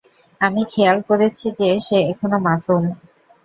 আমি খেয়াল করেছি যে, সে এখনও মাসুম।